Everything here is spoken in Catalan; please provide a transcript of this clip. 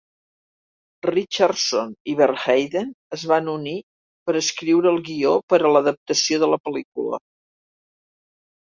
Richardson i Verheiden es van unir per escriure el guió per a l'adaptació de la pel·lícula.